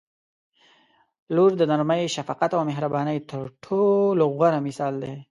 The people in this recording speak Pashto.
• لور د نرمۍ، شفقت او مهربانۍ تر ټولو غوره مثال دی.